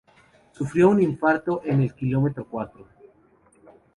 Sufrió un infarto en el kilómetro cuatro.